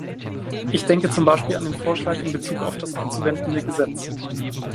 Ich denke zum Beispiel an den Vorschlag in bezug auf das anzuwendende Gesetz.